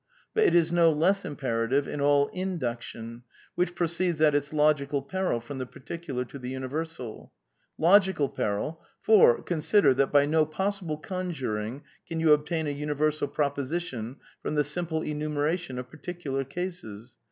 But it is no less imperative in all induc tion, which proceeds, at its logical peril, from the particu lar to the universal. Logical peril : for, consider, that by no possible conjuring can you obtain a universal proposi tion from the simple enumeration of particular cases.